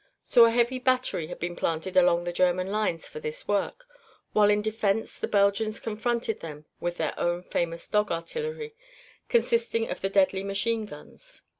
So a heavy battery had been planted along the German lines for this work, while in defence the Belgians confronted them with their own famous dog artillery, consisting of the deadly machine guns.